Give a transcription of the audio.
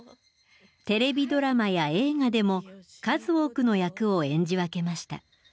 テレビドラマや映画でも数多くの役を演じ分けました。